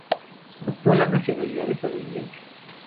Adoptó la nacionalidad estadounidense.